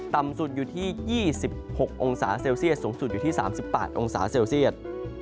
ต่ำสุดอยู่ที่๒๖องศาเซลเซียสสูงสุดอยู่ที่๓๘องศาเซลเซียต